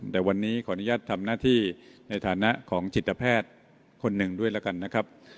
แต่วันนี้ขออนุญาตทำหน้าที่ในฐานะของจิตแพทย์คนหนึ่งด้วยแล้วกันนะครับ